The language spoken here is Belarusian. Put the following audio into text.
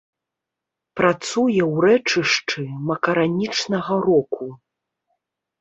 Працуе ў рэчышчы макаранічнага року.